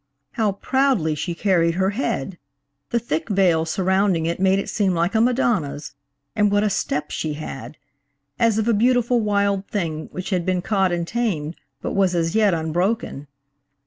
How proudly she carried her head! The thick veil surrounding it made it seem like a Madonna's; and what a step she had! As of a beautiful wild thing which had been caught and tamed, but was as yet unbroken.